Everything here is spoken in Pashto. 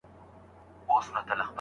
زه سم پء اور کړېږم ستا په محبت شېرينې